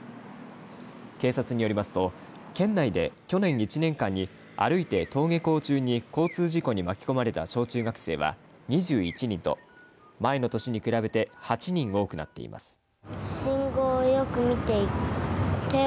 警察によりますと県内で去年１年間に歩いて登下校中に交通事故に巻き込まれた小中学生は２１人と、前の年に比べて８人多くなっています。